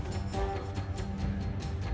tuhan rakyat menunggu munggu berdaki